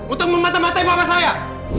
untuk mematah matahi papa saya